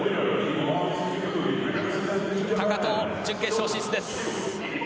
高藤、準決勝進出です。